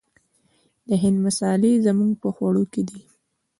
د هند مسالې زموږ په خوړو کې دي.